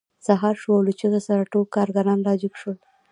سهار شو او له چیغې سره ټول کارګران راجګ شول